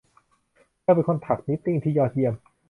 เธอเป็นคนถักนิตติ้งที่ยอดเยี่ยม